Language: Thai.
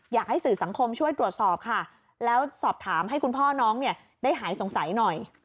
อยากให้สื่อสังคมช่วยตรวจสอบค่ะแล้วสอบถามให้คุณพ่อน้องเนี่ยได้หายสงสัยหน่อย